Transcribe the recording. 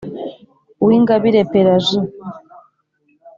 uwingabire pélagie